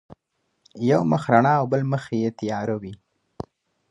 یو مخ رڼا او بل مخ یې تیار وي.